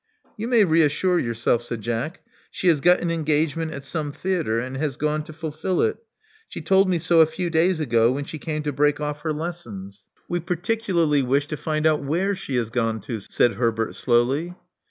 *' You may reassure yourself," said Jack. She has got an engagement at some theatre and has gone to fulfil it. She told me so a few days ago, when she came to break oflf her lessons. '' 140 Love Among the Artists We particularly wish to find out where she has gone to," said Herbert slowly.